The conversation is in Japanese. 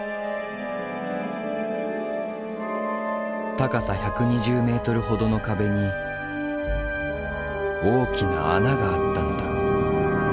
高さ１２０ｍほどの壁に大きな穴があったのだ。